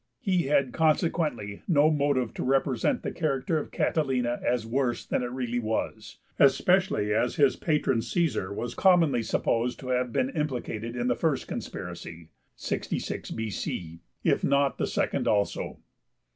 He had consequently no motive to represent the character of Catilina as worse than it really was, especially as his patron Caesar was commonly supposed to have been implicated in the first conspiracy (66 B.C.), if not the second also.